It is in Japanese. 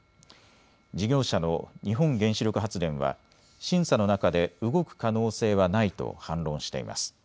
事業者の日本原子力発電は審査の中で動く可能性はないと反論しています。